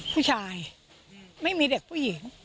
ผู้ชายไม่มีเด็กผู้หญิง